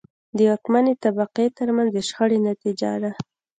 د واکمنې طبقې ترمنځ د شخړې نتیجه ده.